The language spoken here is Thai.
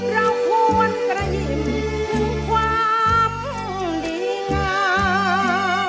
เราควรกระยิ้มถึงความดีงาม